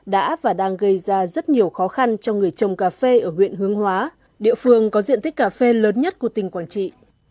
đã và đang gây ra rất nhiều khó khăn cho người trồng cà phê ở huyện hướng hóa địa phương có diện tích cà phê lớn nhất của tỉnh quảng trị